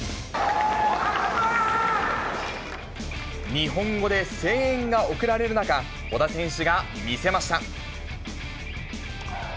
日本語で声援が送られる中、小田選手が見せました。